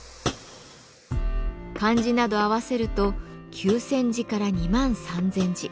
漢字など合わせると９，０００字から２万３，０００字。